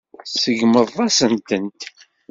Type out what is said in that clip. Tseggmeḍ-asent-tent.